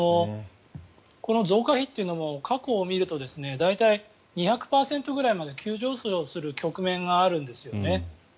この増加比というのも過去を見ると大体２００％ぐらいまで急上昇する局面があるんですよね。